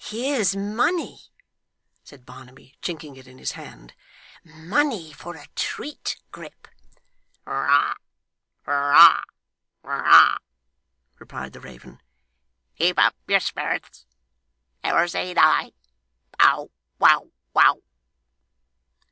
'Here's money!' said Barnaby, chinking it in his hand, 'money for a treat, Grip!' 'Hurrah! Hurrah! Hurrah!' replied the raven, 'keep up your spirits. Never say die. Bow, wow, wow!